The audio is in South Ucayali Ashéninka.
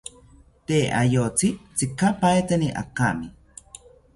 Tee ayotzi tzikapaeteni akami